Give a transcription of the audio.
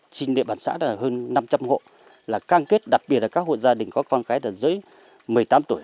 trên địa bàn xã là hơn năm trăm linh hộ là can kết đặc biệt là các hộ gia đình có con gái dưới một mươi tám tuổi